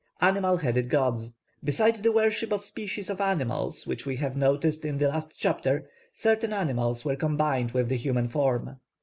+Animal Headed Gods+. Beside the worship of species of animals, which we have noticed in the last chapter, certain animals were combined with the human form.